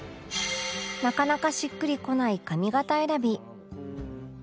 なかなかしっくりこない髪型選び